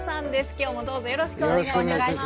今日もどうぞよろしくお願いいたします。